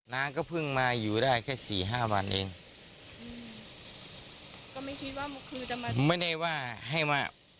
น้าก็เพิ่งมาอยู่ได้แค่สี่ห้าวันเองอืมก็ไม่คิดว่าคือจะมาไม่ได้ว่าให้ว่า